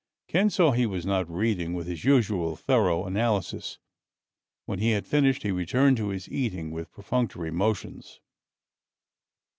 Ken saw he was not reading with his usual thorough analysis. When he had finished he returned to his eating with perfunctory motions.